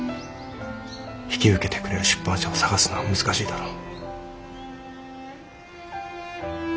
引き受けてくれる出版社を探すのは難しいだろう。